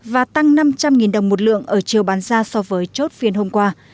và tăng năm trăm linh nghìn đồng một lượng ở chiều bán ra so với chốt viên hôm qua